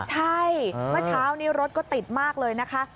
ใช่เมื่อเช้านี้รถก็ติดมากเลยนะคะ